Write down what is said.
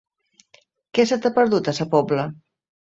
Què se t'hi ha perdut, a Sa Pobla?